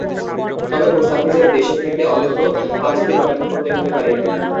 তবে মুস্তাফিজের দেশে ফিরতে অন্তত পাঁচ দিন অপেক্ষা করতে হতে পারে।